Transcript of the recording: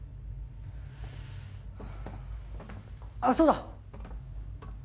あっそうだ！